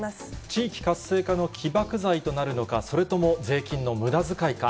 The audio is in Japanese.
地域活性化の起爆剤となるのか、それとも税金のむだづかいか。